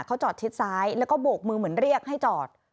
เขาจอดชิดซ้ายแล้วก็โบกมือเหมือนเรียกให้จอด